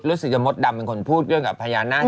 รู้สึกเจ้ามสดำเป็นคนพูดเรื่องกับพญานาธฤษฎรม